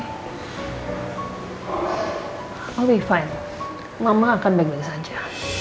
i'll be fine mama akan baik baik saja